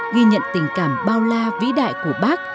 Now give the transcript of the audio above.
ghi nhận tình cảm bao la vĩ đại của bác